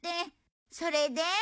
それで？